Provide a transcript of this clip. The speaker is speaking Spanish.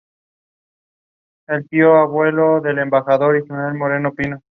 Acto seguido, el lugar sufrió saqueos y destrozos por parte de los propios madrileños.